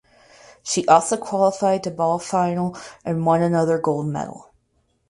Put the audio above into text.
She also qualified to Ball final and won another gold medal.